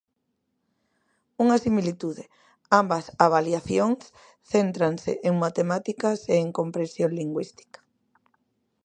Unha similitude: ambas avaliacións céntranse en matemáticas e en comprensión lingüística.